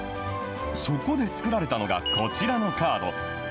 そこで作られたのがこちらのカード。